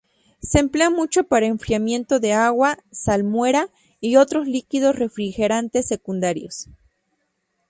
Se emplea mucho para enfriamiento de agua, salmuera y otros líquidos refrigerantes secundarios.